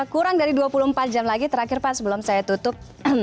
kurang dari dua puluh empat jam lagi terakhir pak sebelum saya tutup